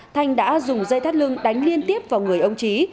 thanh đã dùng dây thắt lưng đánh liên tiếp vào người ông trí